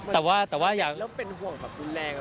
แล้วเป็นห่วงแบบดูแรงแล้ว